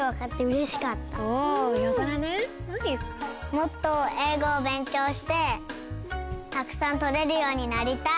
もっとえいごをべんきょうしてたくさんとれるようになりたい。